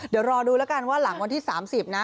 เดี๋ยวรอดูแล้วกันว่าหลังวันที่๓๐นะ